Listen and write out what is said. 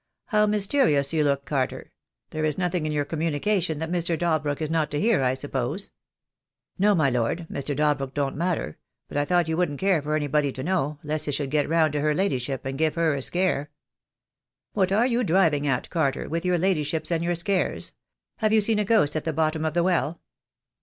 How mys terious you look, Carter! There is nothing in your com munication that Mr. Dalbrook is not to hear, I suppose?" "No, my lord, Mr. Dalbrook don't matter; but I thought you wouldn't care for everybody to know, lest it should get round to her ladyship, and give her a scare." "What are you driving at, Carter, with your ladyships and your scares? Have you seen a ghost at the bottom of the well?"